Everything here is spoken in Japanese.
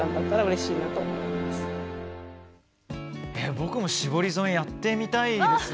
僕も絞り染めをやってみたいです。